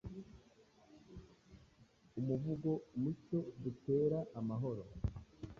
Umuvugo: Mucyo dutere amahoro